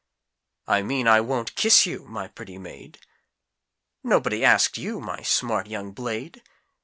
"I mean I won't kiss you, my pretty maid!" "Nobody asked you, my smart young Blade!"